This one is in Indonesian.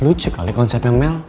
lucu kali konsepnya mel